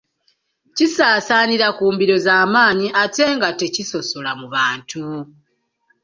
Kisaasaanira ku mbiro za maanyi ate nga tekisosola mu bantu.